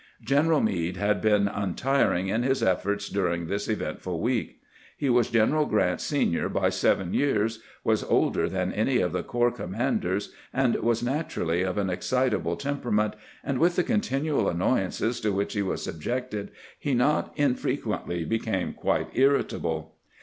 General Meade had been untiring in his efforts during this eventful week. He was General Grant's senior by seven years, was older than any of the corps command ers, and was naturally of an excitable temperament, and with the continual annoyances to which he was sub jected he not infrequently became quite irritable.